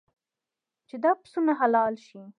چې دا پسونه حلال شي.